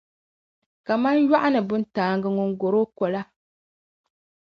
kaman yɔɣuni buntaaŋa ŋun gɔr’ o ko la.